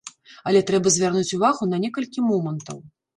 Але трэба звярнуць увагу на некалькі момантаў.